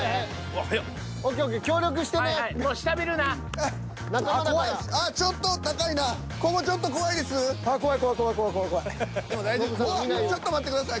わあちょっと待ってください